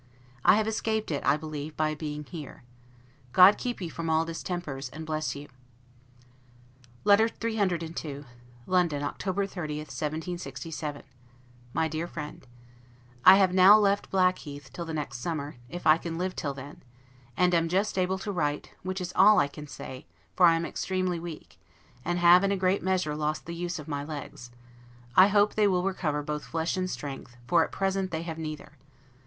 I have escaped it, I believe, by being here. God keep you from all distempers, and bless you! LETTER CCCII LONDON, October 30, 1767. MY DEAR FRIEND: I have now left Blackheath, till the next summer, if I live till then; and am just able to write, which is all I can say, for I am extremely weak, and have in a great measure lost the use of my legs; I hope they will recover both flesh and strength, for at present they have neither.